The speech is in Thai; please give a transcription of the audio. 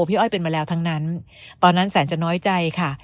พี่อ้อยเป็นมาแล้วทั้งนั้นตอนนั้นแสนจะน้อยใจค่ะ